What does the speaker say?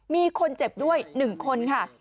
มีคนเจ็บด้วย๑คนค่ะ